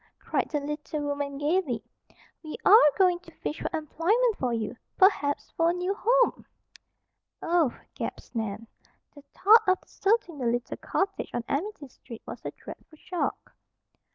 cried the little woman gaily. "We are going to fish for employment for you, perhaps for a new home." "Oh!" gasped Nan. The thought of deserting the little cottage on Amity Street was a dreadful shock.